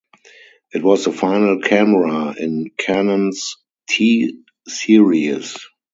It was the final camera in Canon's T series.